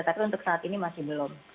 tapi untuk saat ini masih belum